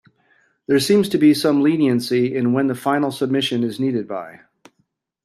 There seems to be some leniency in when the final submission is needed by.